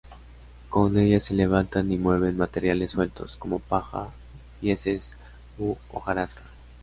Con ella se levantan y mueven materiales sueltos, como paja, mieses u hojarasca.